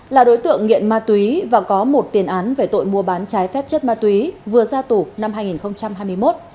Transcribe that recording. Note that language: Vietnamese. là đối tượng nghiện ma túy và có một tiền án về tội mua bán trái phép chất ma túy vừa ra tủ năm hai nghìn hai mươi một